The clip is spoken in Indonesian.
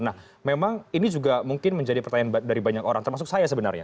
nah memang ini juga mungkin menjadi pertanyaan dari banyak orang termasuk saya sebenarnya